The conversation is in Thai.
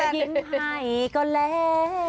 ยิ้มให้ก็แล้ว